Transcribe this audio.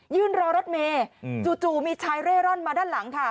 ยืนรอรถเมย์จู่มีชายเร่ร่อนมาด้านหลังค่ะ